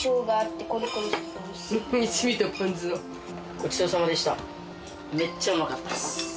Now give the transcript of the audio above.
ごちそうさまでした。